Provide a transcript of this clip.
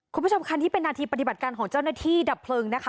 คุณผู้ชมค่ะนี่เป็นนาทีปฏิบัติการของเจ้าหน้าที่ดับเพลิงนะคะ